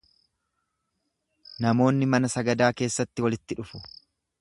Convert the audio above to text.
Namoonni mana sagadaa keessatti walitti dhufu.